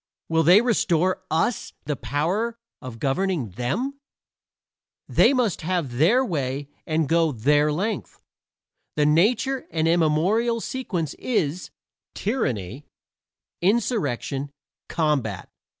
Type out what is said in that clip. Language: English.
Will they restore to us the power of governing them? They must have their way and go their length. The natural and immemorial sequence is: tyranny, insurrection, combat.